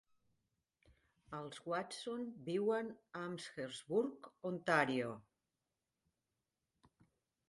Els Watsons viuen a Amherstburg, Ontario.